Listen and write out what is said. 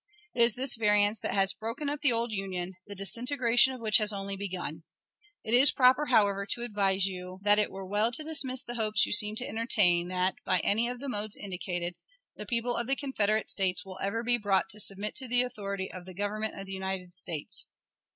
It is this variance that has broken up the old Union, the disintegration of which has only begun. It is proper, however, to advise you that it were well to dismiss the hopes you seem to entertain that, by any of the modes indicated, the people of the Confederate States will ever be brought to submit to the authority of the Government of the United States.